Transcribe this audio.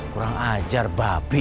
kurang ajar babi